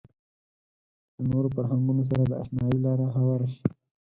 له نورو فرهنګونو سره د اشنايي لاره هواره شي.